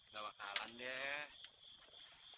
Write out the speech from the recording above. gak bakalan deh